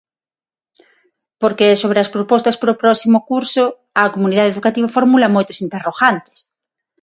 Porque sobre as propostas para o próximo curso a comunidade educativa formula moitos interrogantes.